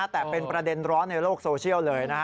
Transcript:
แต่เป็นประเด็นร้อนในโลกโซเชียลเลยนะฮะ